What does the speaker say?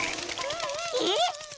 えっ⁉